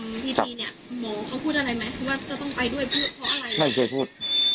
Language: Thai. ว่าจะต้องไปด้วยเพราะอะไรไม่เคยพูด